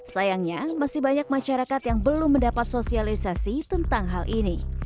sayangnya masih banyak masyarakat yang belum mendapat sosialisasi tentang hal ini